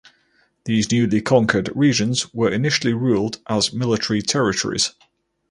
These newly conquered regions were initially ruled as military territories.